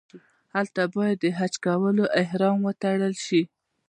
هلته باید د حج لپاره احرام وتړل شي.